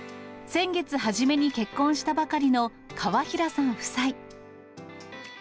先月初めに結婚したばかりの、川平さん夫妻。